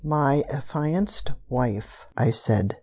"My affianced wife, I said.